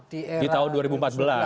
di tahun dua ribu empat belas